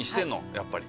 やっぱり。